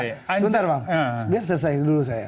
sebentar bang biar selesai dulu saya